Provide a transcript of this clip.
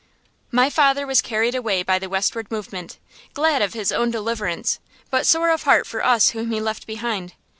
My father was carried away by the westward movement, glad of his own deliverance, but sore at heart for us whom he left behind.